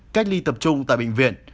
cách ly tập trung tại bệnh viện